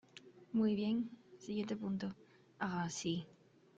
Muy bien, siguiente punto. Ah , sí .